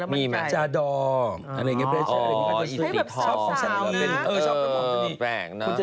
มีอันไหนที่เป็นประจำตัวเธอจะใช้อันนี้แล้วมันใช้